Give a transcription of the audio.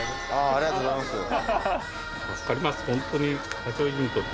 ありがとうございます。